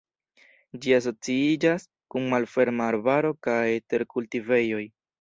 Ĝi asociiĝas kun malferma arbaro kaj terkultivejoj.